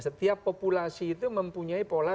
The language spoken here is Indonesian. setiap populasi itu mempunyai pola